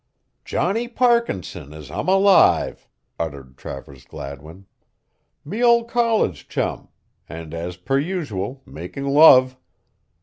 "Johnny Parkinson, as I'm alive!" uttered Travers Gladwin. "Me old college chum, and as per usual making love.